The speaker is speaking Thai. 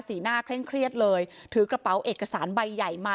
หน้าเคร่งเครียดเลยถือกระเป๋าเอกสารใบใหญ่มา